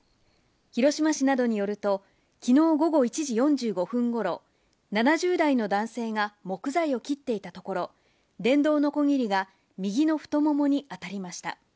広島市などによると、きのう午後１時４５分ごろ、７０代の男性が木材を切っていたところ、電動のこぎりが右の太ももに当たりました。